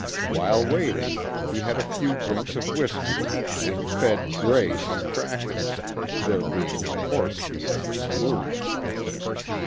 While waiting, he had a few drinks of whiskey, and fed "Gray" some crackers, there being no horse feed at the saloon.